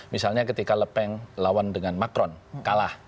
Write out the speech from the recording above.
misalnya ketika lepeng lawan dengan macron kalah